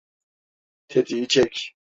Tetiği çek.